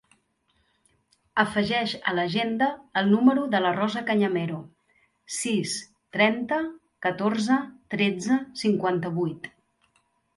Afegeix a l'agenda el número de la Rosa Cañamero: sis, trenta, catorze, tretze, cinquanta-vuit.